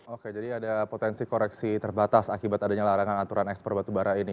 oke jadi ada potensi koreksi terbatas akibat adanya larangan aturan ekspor batubara ini